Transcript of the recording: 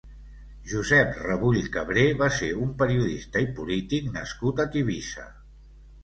Josep Rebull Cabré va ser un periodista i polític nascut a Tivissa.